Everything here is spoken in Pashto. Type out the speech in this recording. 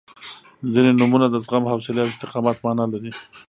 • ځینې نومونه د زغم، حوصلې او استقامت معنا لري.